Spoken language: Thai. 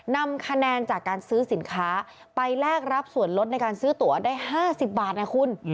นำคะแนนจากการซื้อสินค้าไปแลกรับส่วนลดในการซื้อตัวได้๕๐บาทนะคุณ